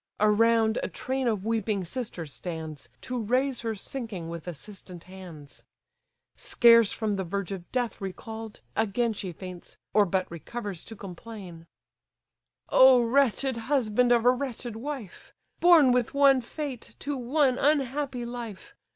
Around a train of weeping sisters stands, To raise her sinking with assistant hands. Scarce from the verge of death recall'd, again She faints, or but recovers to complain. ANDROMACHE FAINTING ON THE WALL "O wretched husband of a wretched wife! Born with one fate, to one unhappy life!